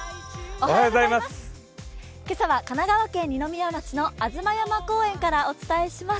今朝は神奈川県二宮町の吾妻山公園からお伝えします。